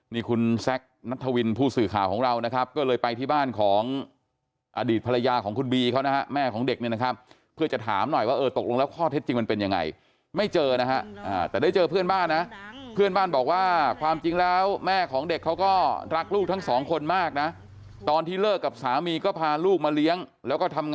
นี่คุณแซคนัทวินผู้สื่อข่าวของเรานะครับก็เลยไปที่บ้านของอดีตภรรยาของคุณบีเขานะฮะแม่ของเด็กเนี่ยนะครับเพื่อจะถามหน่อยว่าเออตกลงแล้วข้อเท็จจริงมันเป็นยังไงไม่เจอนะฮะแต่ได้เจอเพื่อนบ้านนะเพื่อนบ้านบอกว่าความจริงแล้วแม่ของเด็กเขาก็รักลูกทั้งสองคนมากนะตอนที่เลิกกับสามีก็พาลูกมาเลี้ยงแล้วก็ทำ